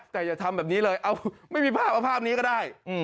แต่อย่าทำแบบนี้เลยเอาไม่มีภาพเอาภาพนี้ก็ได้